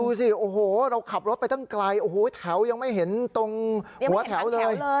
สิโอ้โหเราขับรถไปตั้งไกลโอ้โหแถวยังไม่เห็นตรงหัวแถวเลย